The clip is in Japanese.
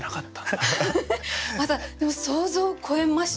でも想像を超えましたね。